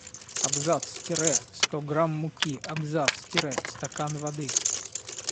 Абзац! Тире! Сто грамм муки. Абзац! Тире! Стакан воды.